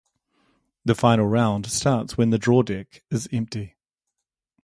The final round starts when the draw deck is empty.